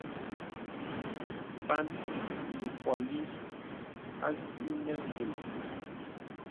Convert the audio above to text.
Pan ì mpkōlī a sì nə ngùl.